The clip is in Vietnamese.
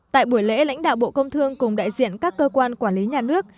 tại buổi lễ lãnh đạo bộ công thương cùng đại diện các cơ quan quản lý nhà nước